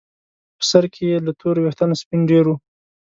په سر کې یې له تورو ویښتانو سپین ډیر وو.